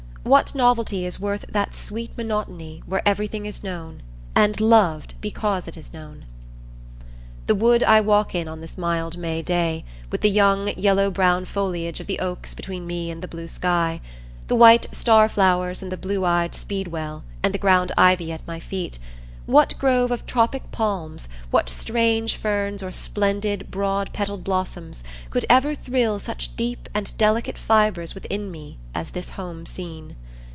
What novelty is worth that sweet monotony where everything is known, and loved because it is known? The wood I walk in on this mild May day, with the young yellow brown foliage of the oaks between me and the blue sky, the white star flowers and the blue eyed speedwell and the ground ivy at my feet, what grove of tropic palms, what strange ferns or splendid broad petalled blossoms, could ever thrill such deep and delicate fibres within me as this home scene?